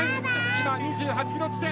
今２８ｋｍ地点。